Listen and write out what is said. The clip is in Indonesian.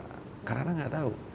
kadang kadang nggak tahu